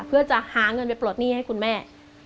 เพื่อจะหาเงินไปปลดหนี้ให้คุณแม่